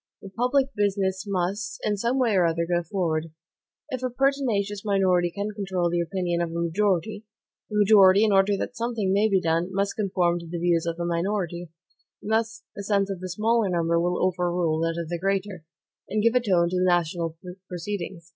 The public business must, in some way or other, go forward. If a pertinacious minority can control the opinion of a majority, respecting the best mode of conducting it, the majority, in order that something may be done, must conform to the views of the minority; and thus the sense of the smaller number will overrule that of the greater, and give a tone to the national proceedings.